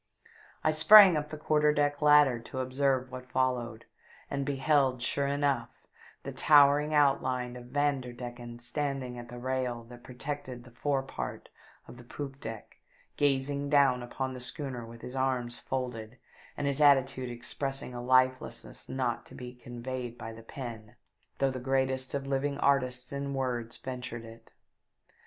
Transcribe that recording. I sprang up the quarter deck ladder to ob serve what followed, and beheld sure enough, the towering outline of Vanderdecken stand ing at the rail that protected the fore part of the poop deck gazing down upon the schooner with his arms folded and his attitude expressing a lifelessness not to be conveyed by the pen, though the greatest of living 372 THE DEATH SHIP. artists in words ventured it.